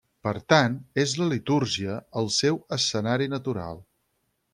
Per tant, és la litúrgia, el seu escenari natural.